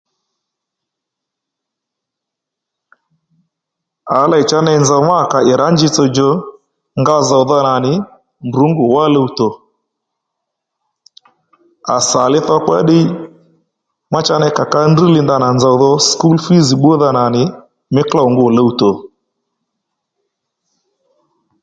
À lêy cha ney nzòw má cha ney ì kà ì rǎ njitsò djò nga zòwdha nà nì ndrǔ ngû wá luwtò à sà li dhokpa ó ddiy ma cha ney kà ka ndrŕ li ndanà nì nzòw dho sùkúl fǐz bbúdha nà nì mí klôw ngû luwtò